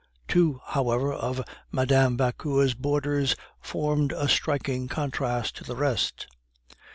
Two, however, of Mme. Vauquer's boarders formed a striking contrast to the rest.